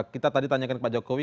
kita tadi tanyakan ke pak jokowi